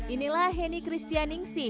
inilah heni christianingsi